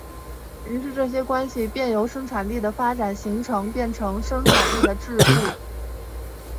于是这些关系便由生产力的发展形式变成生产力的桎梏。